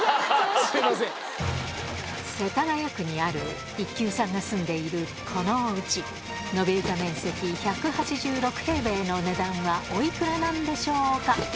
世田谷区にある一級さんが住んでいるこのお家延べ床面積１８６平米の値段はお幾らなんでしょうか？